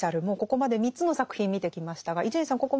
もうここまで３つの作品見てきましたが伊集院さん